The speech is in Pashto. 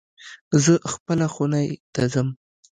زه خپلی خونی ته ځم